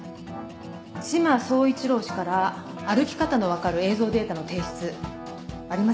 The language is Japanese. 志摩総一郎氏から歩き方の分かる映像データの提出ありませんでした。